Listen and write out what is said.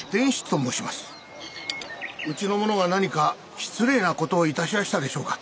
うちの者が何か失礼な事を致しやしたでしょうか？